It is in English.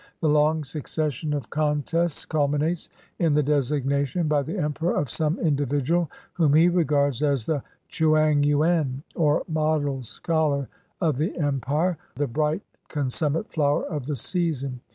The long succession of contests culminates in the designation by the emperor of some individual whom he regards as the chuang yuen, or model scholar of the Empire — the bright consum mate flower of the season.